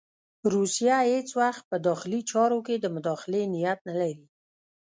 روسیه هېڅ وخت په داخلي چارو کې د مداخلې نیت نه لري.